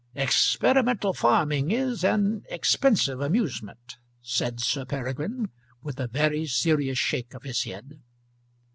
"Experimental farming is an expensive amusement," said Sir Peregrine, with a very serious shake of his head.